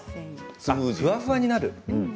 確かにふわふわになる。